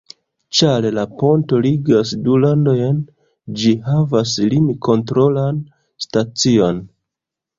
Ĉar la ponto ligas du landojn, ĝi havas lim-kontrolan stacion.